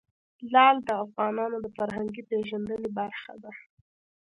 لعل د افغانانو د فرهنګي پیژندنې برخه ده.